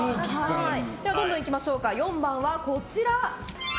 どんどんいきましょう４番は。